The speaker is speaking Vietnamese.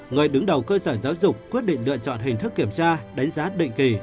người đứng đầu cơ sở giáo dục quyết định lựa chọn hình thức kiểm tra đánh giá định kỳ